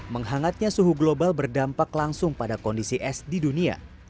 menghangatnya suhu global berdampak langsung pada kondisi es di dunia